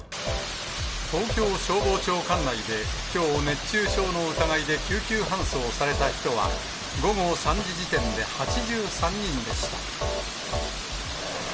東京消防庁管内できょう、熱中症の疑いで救急搬送された人は、午後３時時点で８３人でした。